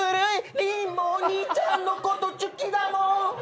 リンもお兄ちゃんのことちゅきだもん！